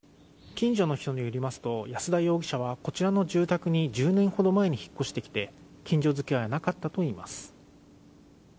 近所の人によりますと安田容疑者はこちらの住宅に１０年ほど前に引っ越してきて近所付き合いはなかったといいます。